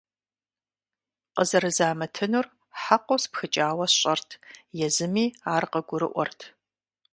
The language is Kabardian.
Къызэрызамытынур хьэкъыу спхыкӀауэ сщӀэрт, езыми ар къыгурыӀуэрт.